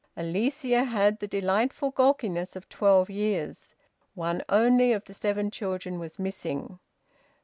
Alicia had the delightful gawkiness of twelve years. One only of the seven children was missing.